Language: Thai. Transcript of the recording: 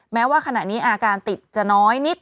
แม้ว่าขณะนี้อาการติดจะน้อยนิด